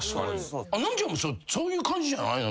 のんちゃんもそういう感じじゃないの？